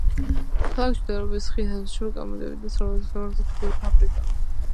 ქალაქში მდებარეობს ხის დასამუშავებელი კომბინატი და ცელულოზა-ქაღალდის ფაბრიკა.